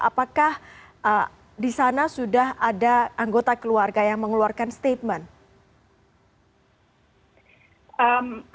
apakah di sana sudah ada anggota keluarga yang mengeluarkan statement